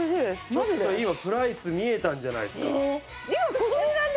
ちょっと今プライス見えたんじゃないですか？